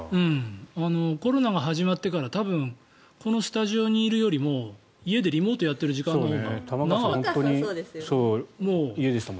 コロナが始まってから多分このスタジオにいるよりも家でリモートやってる時間のほうが長かった。